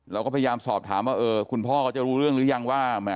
เราก็พยายามสอบถามว่าคุณพ่อเขาจะรู้เรื่องหรือยังว่า